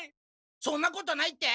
そんなことないって？